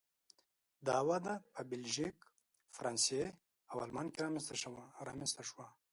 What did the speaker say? دا وده په بلژیک، فرانسې او آلمان کې رامنځته شوه.